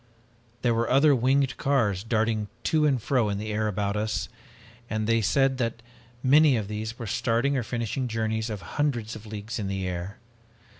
"There were other winged cars darting to and fro in the air about us, and they said that many of these were starting or finishing journeys of hundreds of leagues in the air.